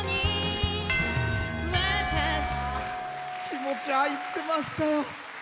気持ち入ってましたよ。